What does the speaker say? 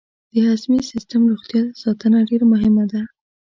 د هضمي سیستم روغتیا ساتنه ډېره مهمه ده.